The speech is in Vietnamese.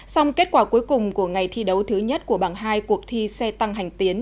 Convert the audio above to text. song kết quả cuối cùng của ngày thi đấu thứ nhất của bảng hai cuộc thi xe tăng hành tiến